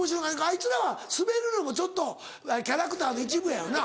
あいつらはスベるのもちょっとキャラクターの一部やよな。